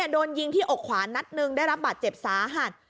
โดนยิงที่อกขวานัดหนึ่งได้รับบาดเจ็บสาหัส